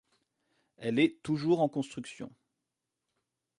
Elle est toujours en construction.